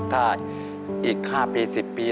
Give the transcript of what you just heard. ถ้าอีก๕ปี๑๐ปี